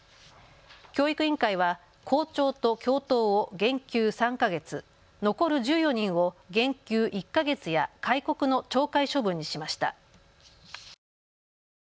教育委員会は校長と教頭を減給３か月、残る１４人を減給１か月や戒告の懲戒処分にしました。